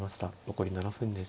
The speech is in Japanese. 残り７分です。